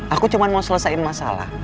aku cuma mau selesaiin masalah